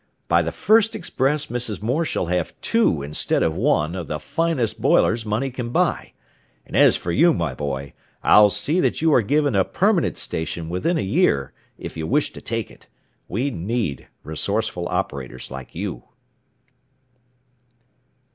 By the first express Mrs. Moore shall have two, instead of one, of the finest boilers money can buy. And as for you, my boy, I'll see that you are given a permanent station within a year, if you wish to take it. We need resourceful operators like you."